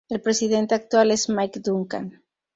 El presidente actual es Mike Duncan.